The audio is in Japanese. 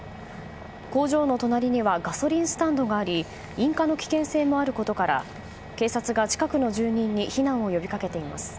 工場の隣にはガソリンスタンドがあり引火の危険性もあることから警察が近くの住民に避難を呼びかけています。